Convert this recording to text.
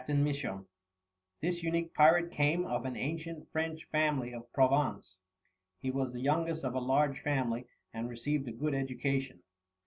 MISSON, CAPTAIN. This unique pirate came of an ancient French family of Provence. He was the youngest of a large family, and received a good education.